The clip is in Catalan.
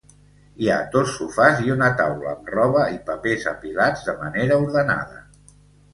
Hi ha dos sofàs i una taula amb roba i papers apilats de manera ordenada.